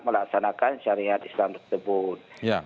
melaksanakan syariat islam tersebut